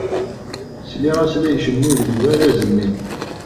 Sliɣ-as la icennu deg ubaraz-nni.